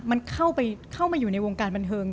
มันเข้ามาอยู่ในวงการบันเทิง